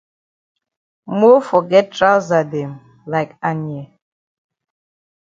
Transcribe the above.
Mofor get trousa dem like Anye.